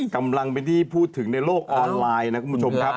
กำลังเป็นที่พูดถึงในโลกออนไลน์นะคุณผู้ชมครับ